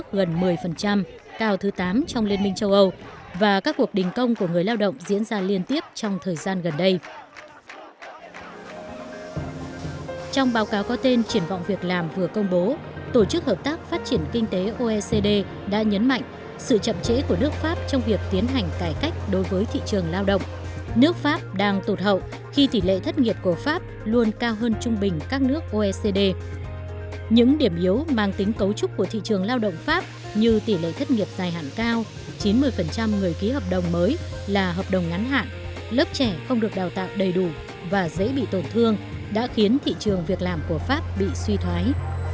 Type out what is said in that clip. với tính cấu trúc của thị trường lao động pháp như tỷ lệ thất nghiệp dài hạn cao chín mươi người ký hợp đồng mới là hợp đồng ngắn hạn lớp trẻ không được đào tạo đầy đủ và dễ bị tổn thương đã khiến thị trường việc làm của pháp bị suy thoái